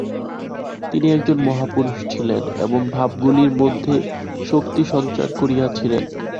তিনি একজন মহাপুরুষ ছিলেন, এবং ভাবগুলির মধ্যে শক্তি সঞ্চার করিয়াছিলেন।